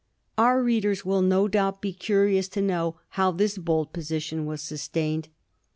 Our readers will, no doubt, be curious to know how this bold position was sus tained.